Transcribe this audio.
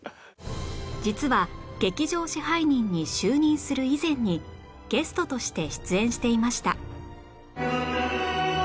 実は劇場支配人に就任する以前にゲストとして出演していました